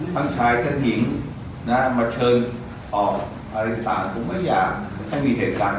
ทั้งชายทั้งหญิงนะมาเชิญออกอะไรต่างผมไม่อยากให้มีเหตุการณ์